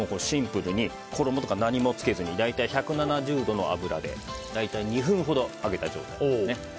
シンプルに衣とか何もつけずに１７０度の油で大体２分ほど揚げた状態ですね。